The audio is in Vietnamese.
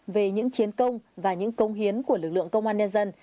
về những chiến công và những công hiến của lực lượng công an nhân dân